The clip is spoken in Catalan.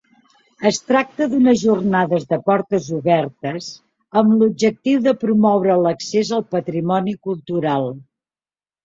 Es tracta d'unes jornades de portes obertes amb l'objectiu de promoure l'accés al patrimoni cultural.